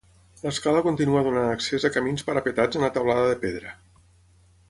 L'escala continua donant accés a camins parapetats en la teulada de pedra.